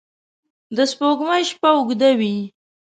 د سپوږمۍ شپه اوږده وي